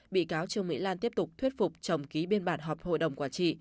bị cáo trương mỹ lan tiếp tục thuyết phục trồng ký biên bản họp hội đồng quả trị